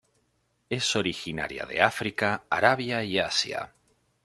Es originaria de África, Arabia y Asia.